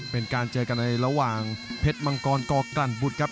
เป็นการเจอกันในระหว่างเพชรมังกรกลั่นบุตรครับ